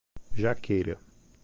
Jaqueira